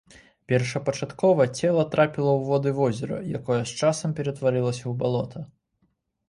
Першапачаткова цела трапіла ў воды возера, якое з часам ператварылася ў балота.